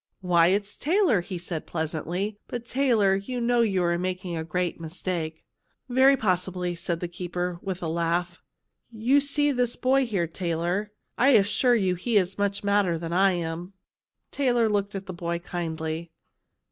"Why, it's Taylor!" he said pleasantly; " but, Taylor, you know you're making a great mistake." "Very possibly," said the keeper, with a laugh. "You see this boy here, Taylor; I assure you he is much madder than I am." Taylor looked at the boy kindly.